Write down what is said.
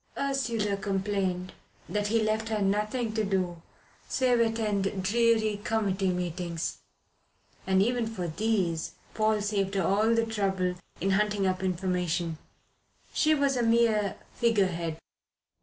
Ursula complained that he left her nothing to do save attend dreary committee meetings; and even for these Paul saved her all the trouble in hunting up information. She was a mere figurehead.